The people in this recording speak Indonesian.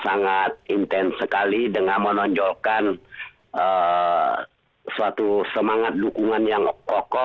sangat intens sekali dengan menonjolkan suatu semangat dukungan yang kokoh